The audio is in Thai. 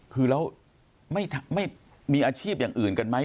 คือแล้วไม่มีอาชีพอย่างอื่นกันไหม